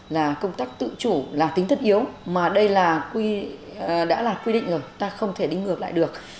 là công tác tự chủ là tính thất yếu mà đây là đã là quy định rồi ta không thể đi ngược lại được